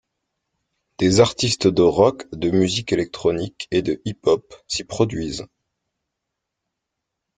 Des artistes de rock, de musique électronique et de hip-hop s'y produisent.